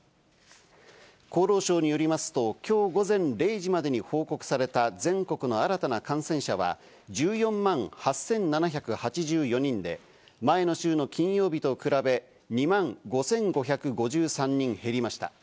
厚労省によりますと、きょう午前０時までに報告された全国の新たな感染者は１４万８７８４人で、前の週の金曜日と比べ、２万５５５３人減りました。